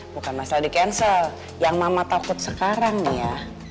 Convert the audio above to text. bukan masalah di cancel yang mama takut sekarang nih ya